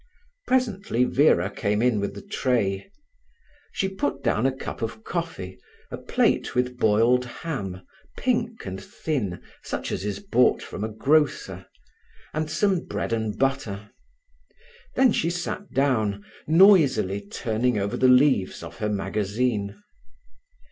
Presently Vera came in with the tray. She put down a cup of coffee, a plate with boiled ham, pink and thin, such as is bought from a grocer, and some bread and butter. Then she sat down, noisily turning over the leaves of her magazine.